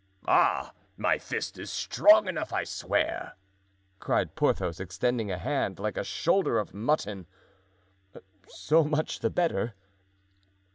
"Ah! my fist is strong enough I swear," cried Porthos, extending a hand like a shoulder of mutton. "So much the better."